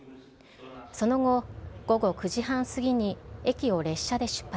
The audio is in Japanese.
その後午後９時半過ぎに駅を列車で出発。